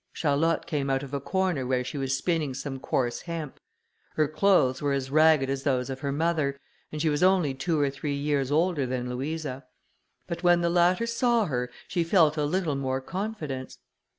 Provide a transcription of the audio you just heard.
Charlotte came out of a corner where she was spinning some coarse hemp; her clothes were as ragged as those of her mother, and she was only two or three years older than Louisa; but when the latter saw her, she felt a little more confidence.